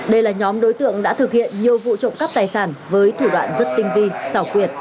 đây là nhóm đối tượng đã thực hiện nhiều vụ trộm cắp tài sản với thủ đoạn rất tinh vi xảo quyệt